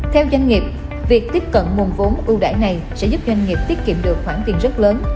theo doanh nghiệp việc tiếp cận nguồn vốn ưu đại này sẽ giúp doanh nghiệp tiết kiệm được khoản tiền rất lớn